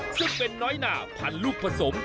ซึ่งเป็นน้อยหนาพันลูกผสม